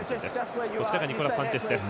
こちらニコラス・サンチェスです。